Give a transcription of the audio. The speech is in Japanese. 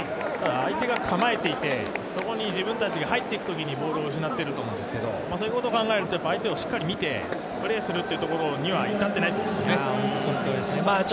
相手が構えていて、そこに自分たちが入っていくときにボールを失っていると思うんですけどそういうことを考えると相手をしっかり見て、プレーをするというところには至っていないということですね。